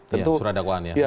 surah dakwaan ya